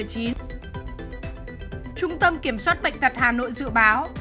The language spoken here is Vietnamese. trung tâm kiểm soát bệnh tật hà nội dự báo